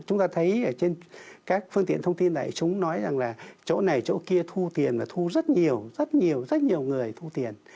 chúng ta thấy ở trên các phương tiện thông tin đại chúng nói rằng là chỗ này chỗ kia thu tiền và thu rất nhiều rất nhiều rất nhiều người thu tiền